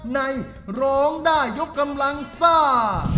ในร้องได้ยกกำลังซ่า